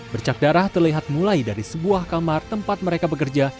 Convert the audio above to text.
bercak darah terlihat mulai dari sebuah kamar tempat mereka bekerja